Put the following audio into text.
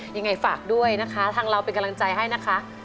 ยังไงฝากด้วยนะคะทางเราเป็นกำลังใจให้นะคะ